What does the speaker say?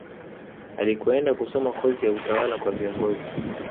Alikoenda kusoma kozi ya utawala kwa viongozi